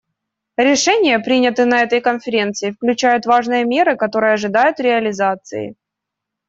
Решения, принятые на этой Конференции, включают важные меры, которые ожидают реализации.